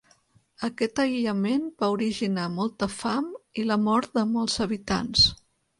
Aquest aïllament va originar molta fam i la mort de molts habitants.